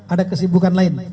ada kesibukan lain